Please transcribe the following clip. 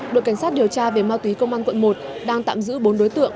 đội cảnh sát điều tra về ma túy công an quận một đang tạm giữ bốn đối tượng